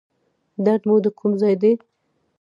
درد مو د کوم ځای دی؟